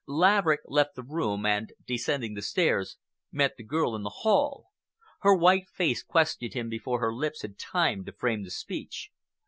Laverick left the room and, descending the stairs, met the girl in the hall. Her white face questioned him before her lips had time to frame the speech.